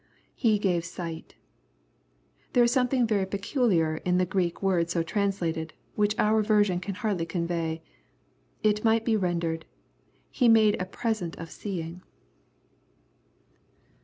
{He gave sight] There is something very peculiar in the Greek words so tran^ated, which our version can hardly convey. It might be rendered, " he made a present of seeing."